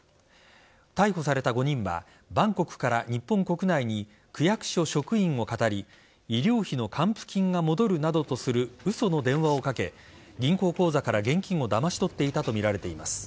逮捕された５人は韓国から日本国内に区役所職員をかたり医療費の還付金が戻るなどとする嘘の電話をかけ銀行口座から現金をだまし取っていたとみられています。